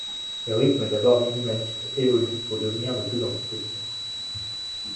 Le rythme d’abord minimaliste évolue pour devenir de plus en plus techno.